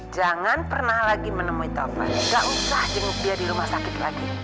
jangan pernah lagi menemui taufik gak usah jenguk dia di rumah sakit lagi